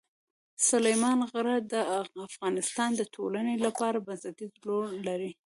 سلیمان غر د افغانستان د ټولنې لپاره بنسټيز رول لري.